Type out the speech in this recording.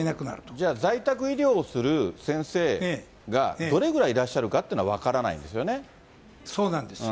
じゃあ、在宅医療をする先生がどれぐらいいらっしゃるかというのは分からそうなんですよ。